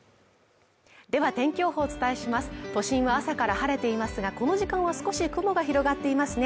では天気予報をお伝えします都心は朝から晴れていますがこの時間は少し雲が広がっていますね。